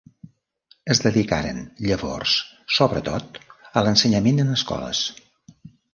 Es dedicaren llavors, sobretot, a l'ensenyament en escoles.